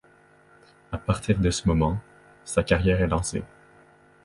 À partir de ce moment, sa carrière est lancée.